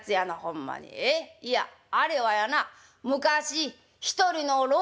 いやあれはやな昔一人の老人が」。